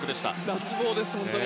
脱帽です。